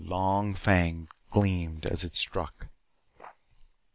Long fangs gleamed as it struck.